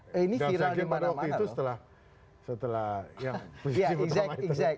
dan sekjen pada waktu itu setelah yang posisi utama itu